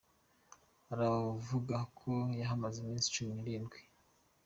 Aravuga ko yahamaze iminsi cumi n’irindwi.